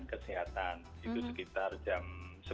kesehatan itu sekitar jam